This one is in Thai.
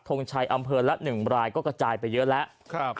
ทงชัยอำเภอละหนึ่งอำรายก็กระจายไปเยอะแล้วครับ